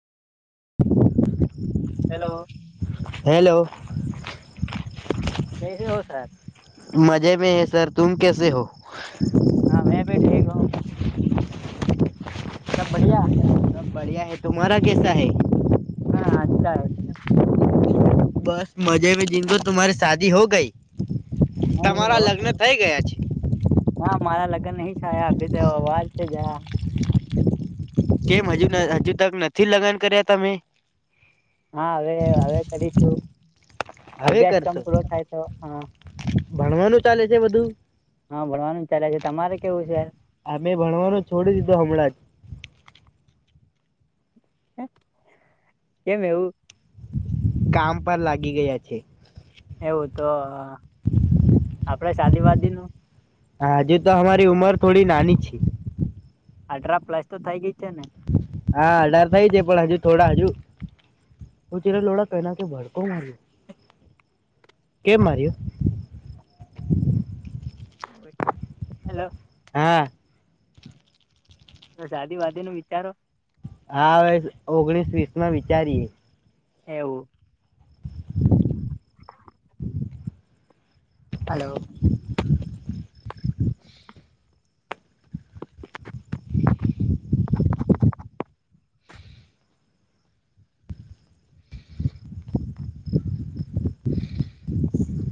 Hello hello. કેસે હો સાહબ. મજે મે હૈ સર તુમ કેસે હો. હા મેં ભી ઠીક હું. સબ બડિયા. બડિયા હૈ તુા કેસા હૈ. હા સારુ. બસ મજે મે જિંદગો તમાુરી શાદી હો ગઈ તમારા લગ્ન થઇ ગયા છે. ના મારા લગ્ન નહીં સાયા અભી તો અવાજ છે જયા. કેમ હજુ હજુ તક નથી લગન કર્યા તમે. હા હવે હવે કરીશું. હવે અભ્યાસ કમ કરશો પૂરો થાય તો હા ભણવાનું ચાલે છે બધું. હા ભણવાનું જ ચાલે છે તમારે કેવું છે. અમે ભણવાનો છોડી દીધો હમણાં જ. હમ્મ. કામ પર લાગી ગયા છે. એવું તો આપડે શાદીવાદી નું હા હજે તો હમારી ઉમર થોડી નાની છી. અલ્ટ્રા પ્લસ તો થઈ ગયું ગઈ છે ને. હા ડર થઇ જાય પણ હજુ થોડા હજુ હું ચ લોડા એના કે ભડકો મારીયું કેમ માર્યું [inaudible] હલો હા સાાદી વાદી નું વિચારો હાવે ઓગણીસ વીસ માં વિચારીએ એવું હલો